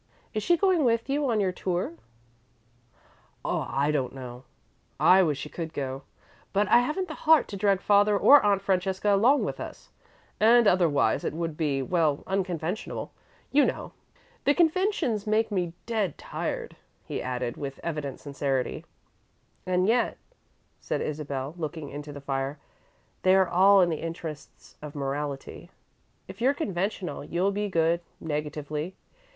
"Is she going with you on your tour?" "I don't know. I wish she could go, but I haven't the heart to drag father or Aunt Francesca along with us, and otherwise, it would be well, unconventional, you know. The conventions make me dead tired," he added, with evident sincerity. "And yet," said Isabel, looking into the fire, "they are all in the interests of morality. If you're conventional, you'll be good, negatively.